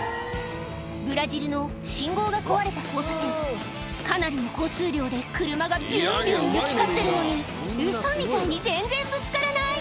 ブラジルの信号が壊れた交差点かなりの交通量で車がビュンビュン行き交ってるのにウソみたいに全然ぶつからない！